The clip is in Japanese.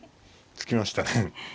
突きました。